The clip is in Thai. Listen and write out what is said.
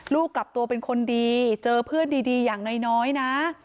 กลับตัวเป็นคนดีเจอเพื่อนดีอย่างน้อยนะ